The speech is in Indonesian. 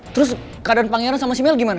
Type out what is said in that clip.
terus keadaan pangeran sama si mel gimana